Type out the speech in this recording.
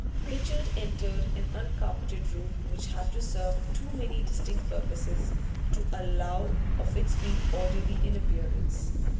Richard entered an uncarpeted room which had to serve too many distinct purposes to allow of its being orderly in appearance.